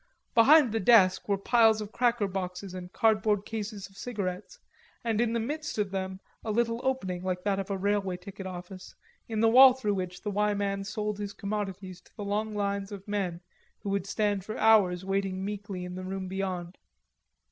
Behind the desk were piles of cracker boxes and cardboard cases of cigarettes and in the midst of them a little opening, like that of a railway ticket office, in the wall through which the "Y" man sold his commodities to the long lines of men who would stand for hours waiting meekly in the room beyond.